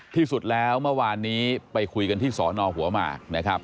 ที่สุดแล้วเมื่อวานนี้ไปคุยกันที่สอนอหัวหมากนะครับ